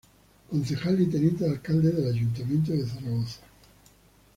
Concejal y Teniente de Alcalde del Ayuntamiento de Zaragoza.